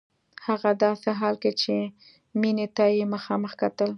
هغه داسې حال کې چې مينې ته يې مخامخ کتل.